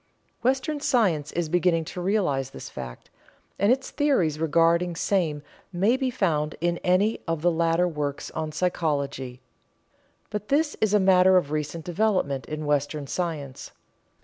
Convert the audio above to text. Western science is beginning to realize this fact, and its theories regarding same may be found in any of the later works on psychology. But this is a matter of recent development in Western science.